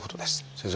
先生